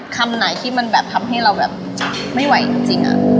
คำไหนที่มันแบบทำให้เราแบบไม่ไหวจริง